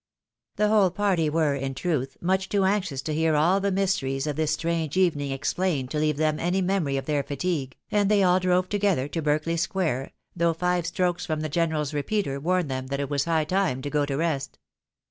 373 The whole party were, in truth, much too anxious to hear all the mysteries of this strange evening explained to les^ve them any memory of their fatigue, and they all drove together to Berkeley square though five strokes from the general's repeater warned them that it was high time to go to rest.